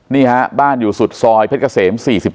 นี่ฮะบ้านอยู่สุดซอยเพชรเกษม๔๗